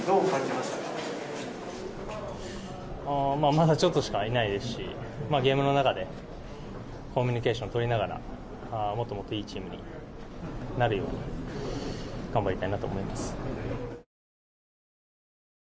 まだちょっとしかいないですしゲームの中でコミュニケーションをとりながらもっといいチームになるように頑張りたいなと思います。